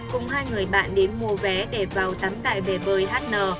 cùng hai người bạn đến mua vé để vào tắm tại bề bơi hn